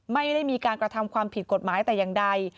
ไม่ได้มีการกระทำความผิดกฎหมายแต่อย่างใด